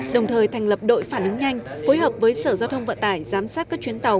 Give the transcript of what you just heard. đồng thời thành lập đội phản ứng nhanh phối hợp với sở giao thông vận tải giám sát các chuyến tàu